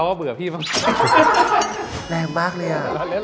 แหม้งมากเลย